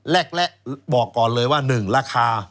แรกบอกก่อนเลยว่า๑ราคา